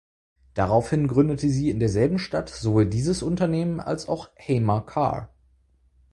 Daraufhin gründete sie in derselben Stadt sowohl dieses Unternehmen als auch Haima Car.